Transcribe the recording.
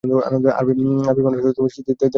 আরবী মানুষ ও সিদিদের দেখলে আনন্দ হয়।